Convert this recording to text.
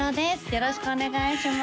よろしくお願いします